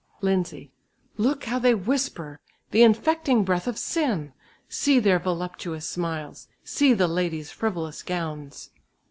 Lindsay. "Look, how they whisper! The infecting breath of sin! See their voluptuous smiles; see the ladies' frivolous gowns."